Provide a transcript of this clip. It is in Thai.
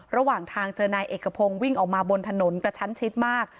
ระหว่างทางเจอนายเอกพงศ์วิ่งออกมาบนถนนกระชั้นชิดมาก